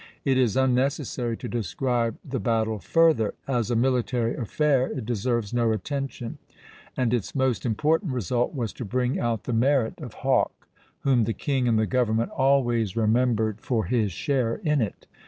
It is unnecessary to describe the battle further; as a military affair it deserves no attention, and its most important result was to bring out the merit of Hawke, whom the king and the government always remembered for his share in it.